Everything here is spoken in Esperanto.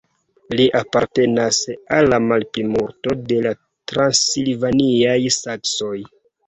Li apartenas al la malplimulto de la transilvaniaj saksoj.